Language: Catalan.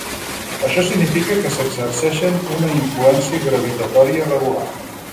Això significa que s'exerceixen una influència gravitatòria regular.